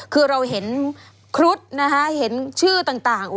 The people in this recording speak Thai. คือเราเห็นครุฑนะคะเห็นชื่อต่าง